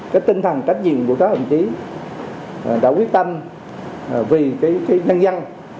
cái tinh thần trách nhiệm của các đồng chí đã quyết tâm vì cái nhân dân